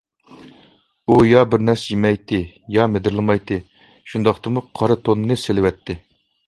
ئۇ يا بىر نەرسە يېمەيتتى، يا مىدىرلىمايتتى، شۇنداقتىمۇ قارا تونىنى سېلىۋەتتى.